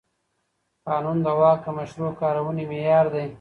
قانون د واک د مشروع کارونې معیار دی.